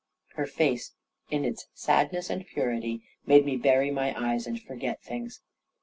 Her face in its sadness and purity made me bury my eyes and forget things.